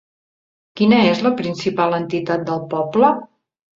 Quina és la principal entitat del poble?